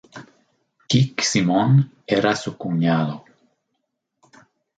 Kick Simón era su cuñado.